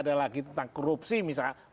ada lagi tentang korupsi misalnya